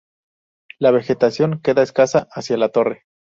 La vegetación queda escasa hacia la Torre.